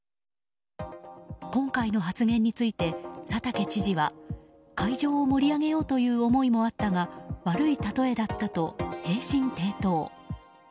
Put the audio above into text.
今回の発言について佐竹知事は会場を盛り上げようという思いもあったが悪いたとえだったと平身低頭。